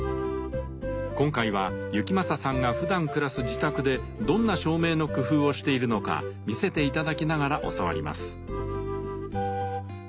今回は行正さんがふだん暮らす自宅でどんな照明の工夫をしているのか見せて頂きながら教わります。